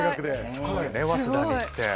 すごいね早稲田に行って。